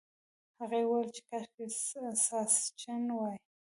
هغې وویل چې کاشکې ساسچن وای.